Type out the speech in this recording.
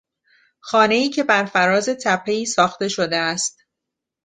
خانهای که برفراز تپهای ساخته شده است